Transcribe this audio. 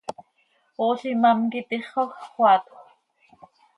Ool imám quih itixoj x, xöaatjö.